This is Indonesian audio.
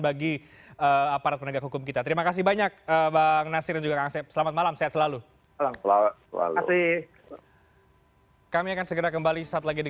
dalam kasus ini menarik tapi sekali lagi ini menjadi catatan